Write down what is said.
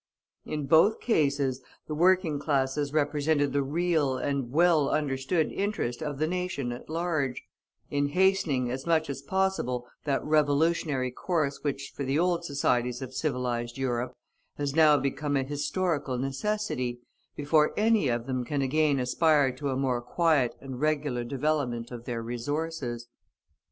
In both cases the working classes represented the real and well understood interest of the nation at large, in hastening as much as possible that revolutionary course which for the old societies of civilized Europe has now become a historical necessity, before any of them can again aspire to a more quiet and regular development of their resources.